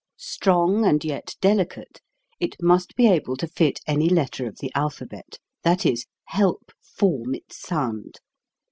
Strong and yet delicate, it must be able to fit any letter of the alphabet ; that is, help form its sound.